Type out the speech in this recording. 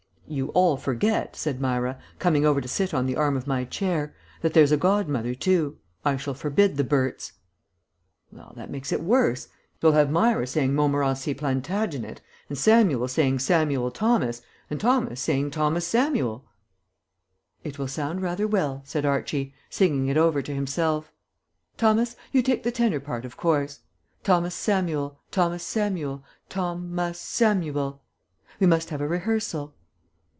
"You all forget," said Myra, coming over to sit on the arm of my chair, "that there's a godmother too. I shall forbid the Berts." "Well, that makes it worse. You'll have Myra saying 'Montmorency Plantagenet,' and Samuel saying 'Samuel Thomas,' and Thomas saying 'Thomas Samuel.'" "It will sound rather well," said Archie, singing it over to himself. "Thomas, you take the tenor part, of course: 'Thomas Samuel, Thomas Samuel, Thom as Sam u el.' We must have a rehearsal."